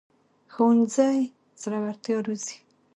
ښوونځی زړورتیا روزي